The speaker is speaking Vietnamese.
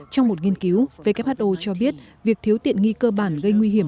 trong một nghiên cứu who cho biết việc thiếu tiện nghi cơ bản gây nguy hiểm